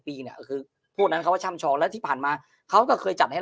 ปีเนี่ยคือพวกนั้นเขาก็ช่ำชองแล้วที่ผ่านมาเขาก็เคยจัดให้